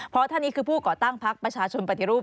เพราะท่านนี้คือผู้ก่อตั้งพักประชาชนปฏิรูป